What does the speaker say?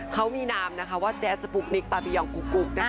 เขามีนามว่าแจ๊ดสปุ๊กนิคปาร์บียองกุ๊ก